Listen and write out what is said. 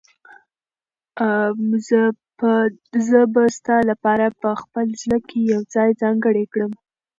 زه به ستا لپاره په خپل زړه کې یو ځای ځانګړی کړم.